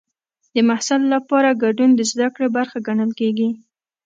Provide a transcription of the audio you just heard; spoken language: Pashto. د محصل لپاره ګډون د زده کړې برخه ګڼل کېږي.